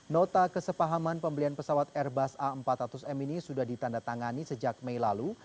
nota kesepahaman pembelian pesawat airbus a empat ratus m ini sudah ditandatangani sejak mei lalu